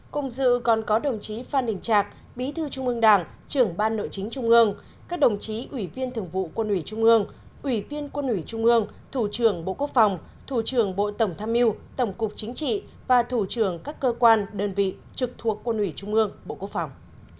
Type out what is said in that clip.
cùng dự còn có đồng chí phan đình trạc bí thư trung ương đảng trưởng ban nội chính trung ương các đồng chí ủy viên thường vụ quân ủy trung ương ủy viên quân ủy trung ương thủ trưởng bộ quốc phòng thủ trưởng bộ tổng tham mưu tổng cục chính trị và thủ trưởng các cơ quan đơn vị trực thuộc quân ủy trung ương bộ quốc phòng